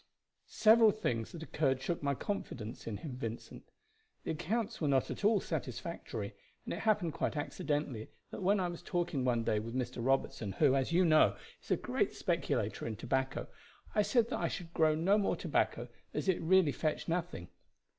"Several things that occurred shook my confidence in him, Vincent. The accounts were not at all satisfactory, and it happened quite accidentally that when I was talking one day with Mr. Robertson, who, as you know, is a great speculator in tobacco, I said that I should grow no more tobacco, as it really fetched nothing.